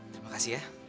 terima kasih ya